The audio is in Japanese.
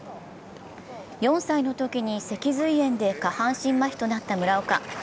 ４歳のときに脊髄炎で下半身まひとなった村岡。